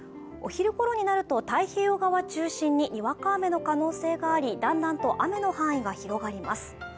お昼頃になると太平洋側を中心ににわか雨の可能性があり、だんだんと雨の範囲が広がります。